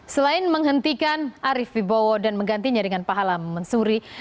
selain menghentikan arief bibowo dan menggantinya dengan pahala mensuri